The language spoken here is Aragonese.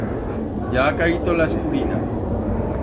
Ya ha caito la escurina.